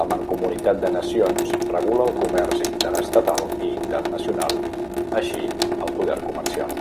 La Mancomunitat de Nacions regula el comerç interestatal i internacional, així el poder comercial.